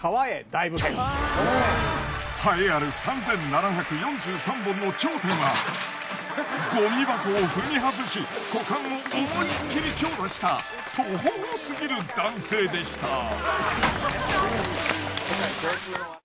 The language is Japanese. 栄えある３，７４３本の頂点はゴミ箱を踏み外し股間を思いっきり強打したトホホすぎる男性でした。